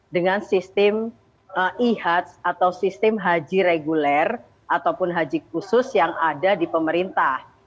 dengan sistem ihads atau sistem haji reguler ataupun haji khusus yang ada di pemerintah